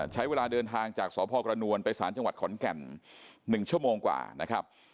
ใช้เวลาเดินทางจากสพกระนวลไปสารจังหวัดขอนแก่น๑ชั่วโมงกว่านะครับ